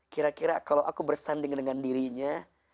kira kira kalau aku bersanding dengan dirinya